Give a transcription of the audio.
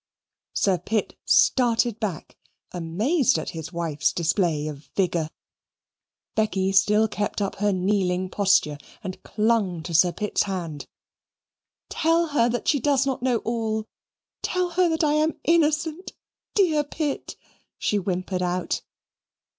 Sir Pitt started back, amazed at his wife's display of vigour. Becky still kept her kneeling posture and clung to Sir Pitt's hand. "Tell her that she does not know all: Tell her that I am innocent, dear Pitt," she whimpered out.